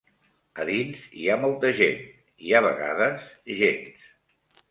A dins hi ha molta gent, i a vegades, gens.